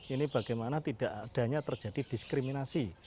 ini bagaimana tidak adanya terjadi diskriminasi